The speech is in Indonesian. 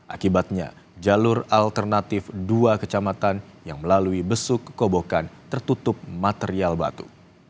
akibatnya jalur alternatif dua kecamatan yang melalui besuk kobokan tertutup material batu